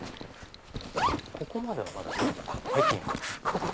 ここまではまだ入っていいのか。